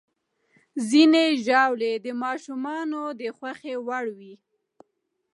ځینې ژاولې د ماشومانو د خوښې وړ وي.